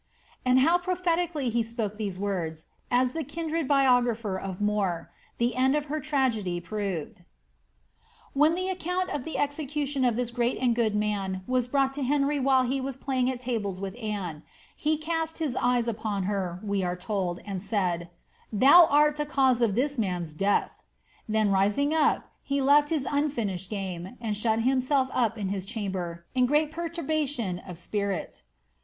^ And how prophetically he spoke these words," adds the kirn dred biographer of More, ^ the end of her tragedy proved." ' When the account of the execution of this great and good man was brought to Henry while he was playing at tables with Anne, he east his eyes upon her, we are told, and said, ^ Thou art the cause of this manV death ;" then rising up, he left his unfinished game, and shut himself u^ in his chamber, in great perturbation of spirit.'